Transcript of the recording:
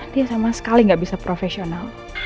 dia sama sekali nggak bisa profesional